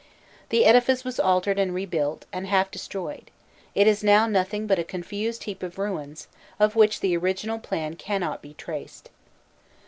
The edifice was altered and rebuilt, and half destroyed; it is now nothing by a confused heap of ruins, of which the original plan cannot be traced.